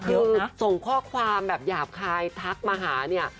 คือส่งข้อความแบบหยาบคายทักมาหาเนี่ย